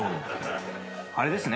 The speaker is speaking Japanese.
あれですね。